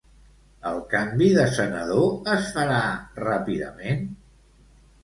El canvi de senador es farà ràpidament?